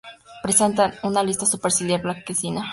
Presenta una lista superciliar blanquecina.